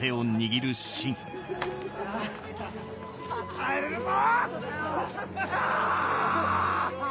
帰れるぞ！